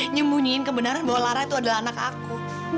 nyembunyiin kebenaran bahwa lara itu adalah anak aku